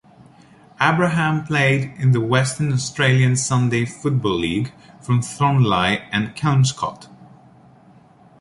Abraham played in the Western Australian Sunday Football League for Thornlie and Kelmscott.